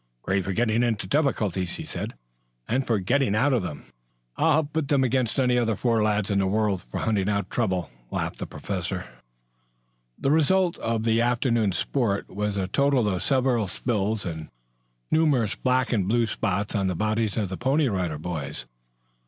"Great for getting into difficulties." "And for getting out of them." "I'll put them against any other four lads in the world for hunting out trouble," laughed the Professor. The result of the afternoon's sport was a total of several spills and numerous black and blue spots on the bodies of the Pony Rider Boys.